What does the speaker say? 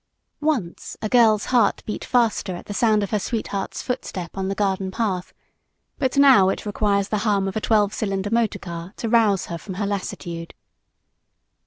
Once a girl's heart beat faster at the sound of her sweetheart's footstep on the garden path; but now it requires the hum of a twelve cylinder motor car to rouse her from her lassitude.